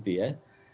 itu yang melaporkan